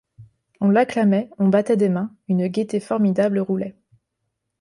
On l'acclamait, on battait des mains ; une gaieté formidable roulait.